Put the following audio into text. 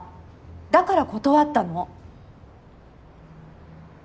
だから断ったの。